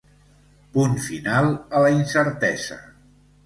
Punt final a la incertesa.